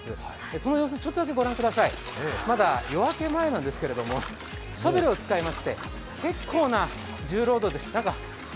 その様子御覧ください、まだ夜明け前なんですけれども、シャベルを使いまして、結構な重労働でした。